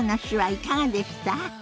いかがでした？